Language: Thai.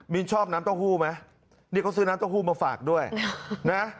มีนชอบน้ำเต้าหู้ไหมนี่เขาซื้อน้ำเต้าหู้มาฝากด้วยนะ